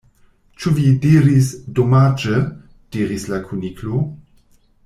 "Ĉu vi diris 'Domaĝe'?" diris la Kuniklo.